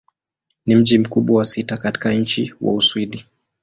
Ni mji mkubwa wa sita katika nchi wa Uswidi.